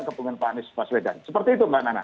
kepemimpinan pak anies paswedan seperti itu mbak nana